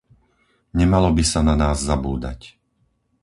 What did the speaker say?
Nemalo by sa na nás zabúdať.